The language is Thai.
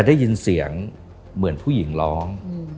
ได้ยินเสียงเหมือนผู้หญิงร้อง